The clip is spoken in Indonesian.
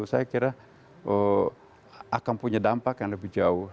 saya kira akan punya dampak yang lebih jauh